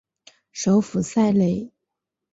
首府塞雷。